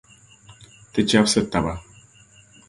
Ti chɛbisi taba.